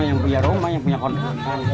yang punya rumah yang punya kontrakan